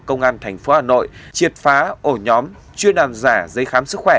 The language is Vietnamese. công an thành phố hà nội triệt phá ổ nhóm chuyên làm giả giấy khám sức khỏe